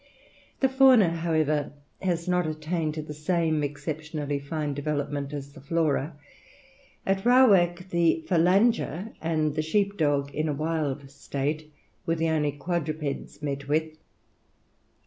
] The fauna, however, has not attained to the same exceptionally fine development as the flora. At Rawak the phalanger and the sheepdog in a wild state were the only quadrupeds met with.